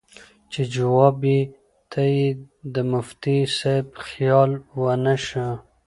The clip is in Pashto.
چې جواب ته ئې د مفتي صېب خيال ونۀ شۀ